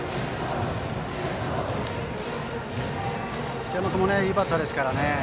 築山君もいいバッターですからね。